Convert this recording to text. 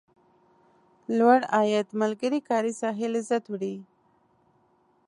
لوړ عاید ملګري کاري ساحې لذت وړي.